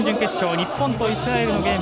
日本とイスラエルのゲーム。